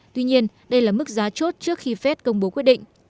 tuy nhiên đây là mức giá chốt trước khi fed công bố quyết định